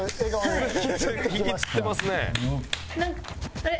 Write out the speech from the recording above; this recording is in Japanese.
あれ？